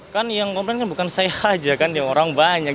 kan yang komplain bukan saya saja kan orang banyak